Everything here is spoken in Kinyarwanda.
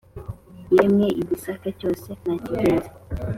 yemwe i gisaka cyose nakigenze